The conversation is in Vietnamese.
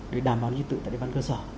để đảm bảo nhân dân tự tại địa bàn cơ sở